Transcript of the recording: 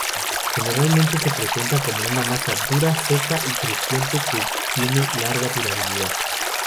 Generalmente, se presenta como una masa dura, seca y crujiente que tiene larga durabilidad.